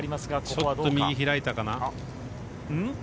ちょっと右開いたかな。